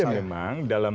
ada memang dalam